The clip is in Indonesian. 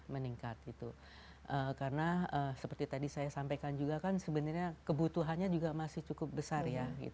meningkat karena seperti tadi saya sampaikan juga kan sebenarnya kebutuhannya juga masih cukup besar ya